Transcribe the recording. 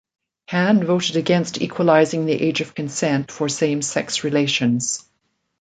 Cann voted against equalising the age of consent for same-sex relations.